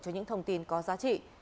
cho những thông tin có giá trị